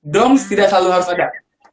doms tidak selalu harus ada